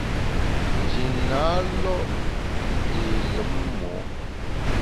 Nji na lo’ té lùm mo’.